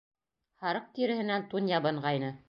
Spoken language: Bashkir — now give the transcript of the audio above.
Һарыҡ тиреһенән тун ябынғайны.